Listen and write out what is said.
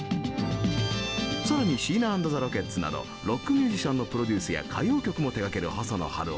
更にシーナ＆ザ・ロケッツなどロックミュージシャンのプロデュースや歌謡曲も手がける細野晴臣。